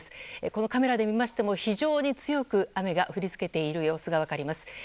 このカメラで見ましても非常に強く雨が降りつけている様子が分かります。